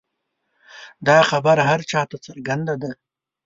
دا خبره هر چا ته څرګنده ده.